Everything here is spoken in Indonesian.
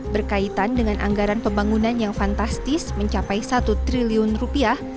berkaitan dengan anggaran pembangunan yang fantastis mencapai satu triliun rupiah